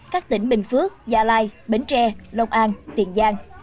các tỉnh bình phước gia lai bến tre long an tiền giang